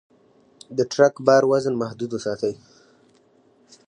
د ټرک بار وزن محدود وساتئ.